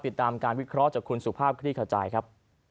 ติดตามการวิเคราะห์จากคุณสุภาพคลี่ขจายครับ